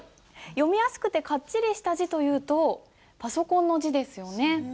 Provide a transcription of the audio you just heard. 読みやすくてかっちりした字というとパソコンの字ですよね。